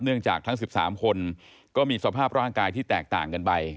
จากทั้ง๑๓คนก็มีสภาพร่างกายที่แตกต่างกันไป